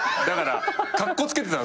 カッコつけてた。